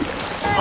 あ。